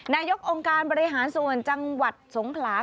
นายกองค์การบริหารส่วนจังหวัดสงขลา